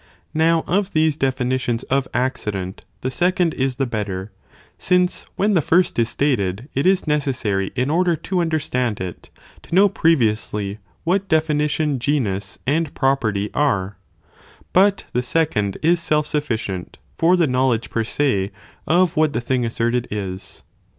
Now of these definitions of accident, the second is the better; since when the first is stated, it is necessary in order to understand it, to know previously what definition genus and property are, but the second is self sufficient for the know ledge per se of what the thing asserted is.